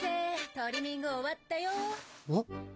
トリミング終わったよ。